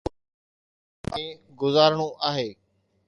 شام جو اسلام آباد ۾ گذارڻو آهي.